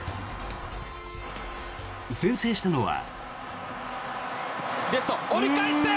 先制したのは。